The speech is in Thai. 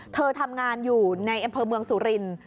เธอทำงานอยู่ในเอ็มเพิร์นเมืองสุรินทร์